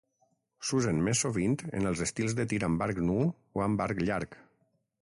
S'usen més sovint en els estils de tir amb arc nu o amb arc llarg.